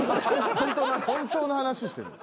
本当の話してる。